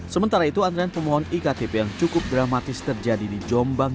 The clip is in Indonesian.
sementara itu antrean pemohon iktp yang cukup dramatis terjadi di jombang